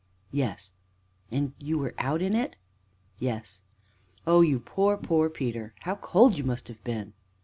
"Yes." "And you were out in it?" "Yes." "Oh, you poor, poor Peter! How cold you must have been!"